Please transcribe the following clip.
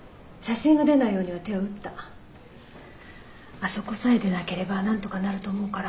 あそこさえ出なければなんとかなると思うから。